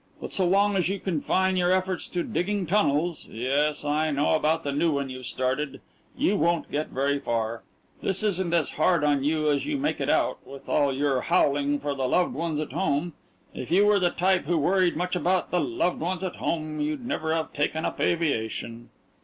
But so long as you confine your efforts to digging tunnels yes, I know about the new one you've started you won't get very far. This isn't as hard on you as you make it out, with all your howling for the loved ones at home. If you were the type who worried much about the loved ones at home, you'd never have taken up aviation."